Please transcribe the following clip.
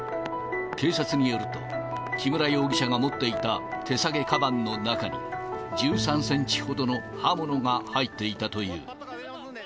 警察によると、木村容疑者が持っていた手提げかばんの中に、１３センチほどの刃物が入っていたという。